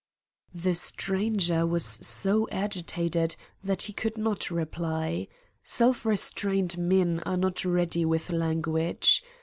The stranger was so agitated that he could not reply. Self restrained men are not ready with language.